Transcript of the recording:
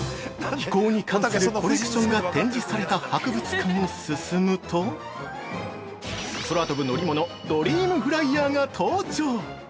◆飛行に関するコレクションが展示された博物館を進むと空飛ぶ乗り物「ドリームフライヤー」が登場！